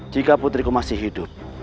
jika putriku masih hidup